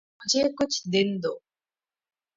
مجھے کچھ دن دو۔